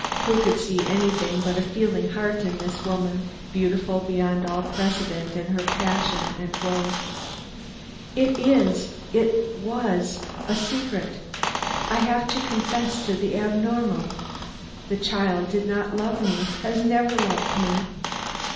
Who could see anything but a feeling heart in this woman, beautiful beyond all precedent in her passion and her woe? "It is it was a secret. I have to confess to the abnormal. The child did not love me; has never loved me.